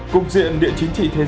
công diện điện chính trị thủ tướng